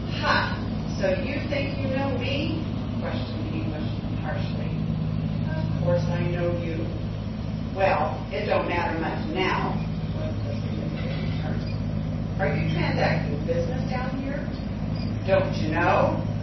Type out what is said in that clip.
"Ha! So you think you know me?" questioned the Englishman harshly. "Of course, I know you." "Well it don't matter much now," was the significant return. "Are you transacting business down here?" "Don't you know?"